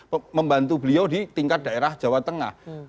dan bagian juga membantu beliau di tingkat daerah jawa tengah